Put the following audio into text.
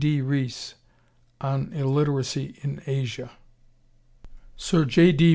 D. Rees on illiteracy in Asia.] Sir J. D.